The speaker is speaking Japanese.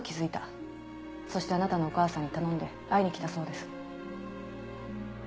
そしてあなたのお母さんに頼んで会いに来たそうです。